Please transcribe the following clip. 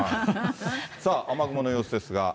さあ、雨雲の様子ですが。